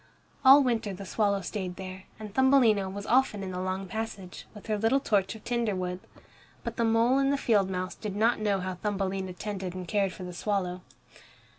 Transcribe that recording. All winter the swallow stayed there, and Thumbelina was often in the long passage, with her little torch of tinder wood. But the mole and the field mouse did not know how Thumbelina tended and cared for the swallow.